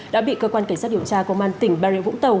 đã bị cơ quan cảnh sát điều tra công an tỉnh bà rịa vũng tàu